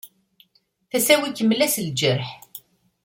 Tasa-w ikemmel-as lǧerḥ.